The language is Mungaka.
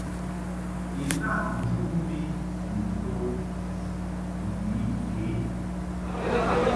Ilaʼ nchuʼmvi ni nto ni yi ke.